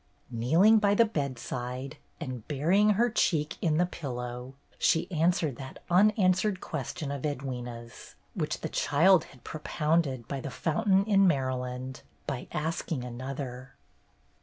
Kneeling by the bedside, and burying her cheek in the pillow, she answered that unanswered question of Edwyna's, which the child had propounded by the fountain in Maryland, by asking another.